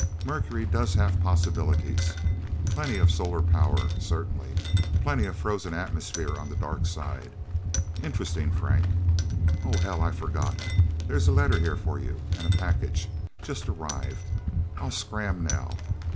Mercury does have possibilities plenty of solar power, certainly; plenty of frozen atmosphere on the dark face. Interesting, Frank... Oh, hell, I forgot there's a letter here for you. And a package. Just arrived... I'll scram, now.